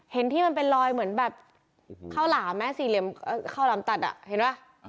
เห็นที่มันเป็นรอยเหมือนแบบข้าวหลามไหมสี่เหลี่ยมข้าวหลามตัดอ่ะเห็นป่ะ